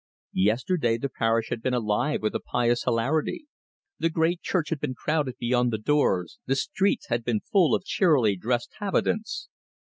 Yesterday the parish had been alive with a pious hilarity. The great church had been crowded beyond the doors, the streets had been full of cheerily dressed habitants.